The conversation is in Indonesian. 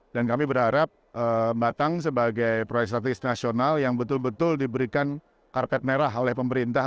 dan kami berharap batang sebagai proyek strategis nasional yang betul betul diberikan karpet merah oleh pemerintah